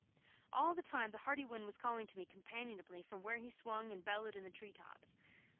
All the time the hearty wind was calling to me companionably from where he swung and bellowed in the tree tops.